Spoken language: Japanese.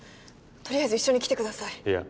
とりあえず一緒に来てくださいいや